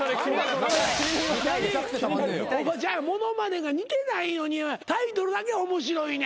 物まねが似てないのにタイトルだけは面白いねん。